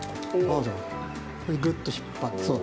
グッと引っ張ってそう。